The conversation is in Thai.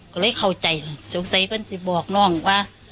ก็เลยเข้าใจสงสัยก็จะบอกน้องว่า